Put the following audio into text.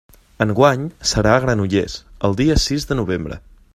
Enguany serà a Granollers, el dia sis de novembre.